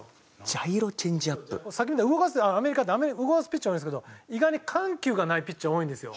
さっきみたいに動かすアメリカって動かすピッチャー多いんですけど意外に緩急がないピッチャー多いんですよ。